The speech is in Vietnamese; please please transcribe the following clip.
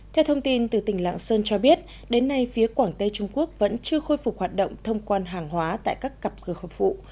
theo thông tin từ tỉnh lạng sơn cho biết đến nay phía quảng tây trung quốc vẫn chưa khôi phục hoạt động thông quan hàng hóa tại các cặp cửa khẩu phụ